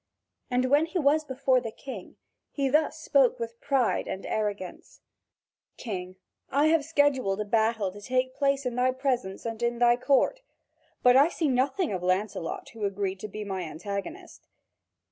And when he was before the King, he thus spoke with pride and arrogance: "King, I have scheduled a battle to take place in thy presence and in thy court. But I see nothing of Lancelot who agreed to be my antagonist.